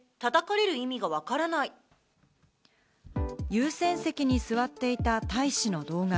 優先席に座っていた大使の動画。